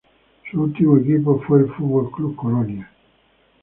Su último equipo fue el F. C. Colonia.